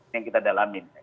ini yang kita dalamin